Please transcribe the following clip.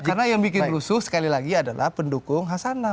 karena yang bikin rusuh sekali lagi adalah pendukung ahsanah